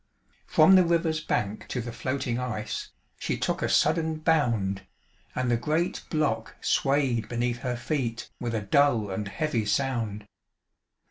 From the river's bank to the floating ice She took a sudden bound, And the great block swayed beneath her feet With a dull and heavy sound.